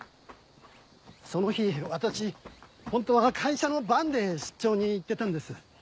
その日私本当は会社のバンで出張に行ってたんです。